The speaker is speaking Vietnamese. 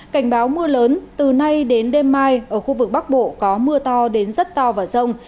cảnh báo mưa lớn từ nay đến đêm mai ở khu vực bắc bộ có mưa to đến rất to và rông